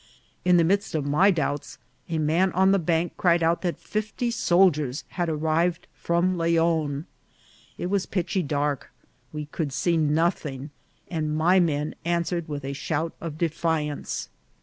In the midst of my doubts a man on the bank cried out that fifty soldiers had ar rived from Leon. It was pitchy dark ; we could see no thing, and my men answered with a shout of defiance.